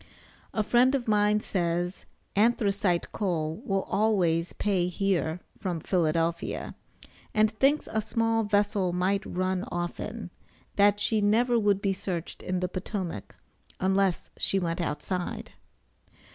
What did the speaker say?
A friend of mine says, anthracite coal will always pay here from Philadelphia, and thinks a small vessel might run often that she never would be searched in the Potomac, unless she went outside.